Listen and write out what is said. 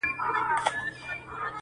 غوړي لا غوړ.